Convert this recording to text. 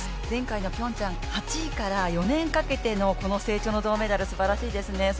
前回のピョンチャン８位から４年かけてのこの成長の銅メダルすばらしいですね。